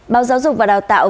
báo giáo dục và đào tạo